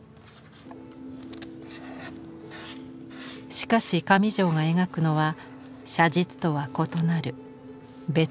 しかし上條が描くのは写実とは異なる別の何か。